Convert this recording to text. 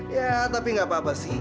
ya tapi nggak apa apa sih